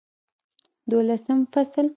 دولسم فصل